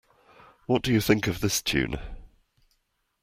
What do you think of this Tune?